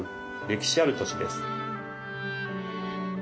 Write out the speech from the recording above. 歴史ある土地です。